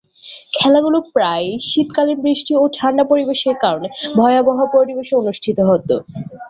খেলাগুলো প্রায়ই শীতকালীন বৃষ্টি ও ঠাণ্ডা পরিবেশের কারণে ভয়াবহ পরিবেশে অনুষ্ঠিত হতো।